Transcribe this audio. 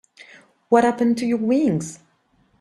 What happened to your wings?